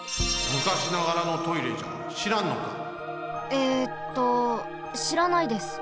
えっとしらないです。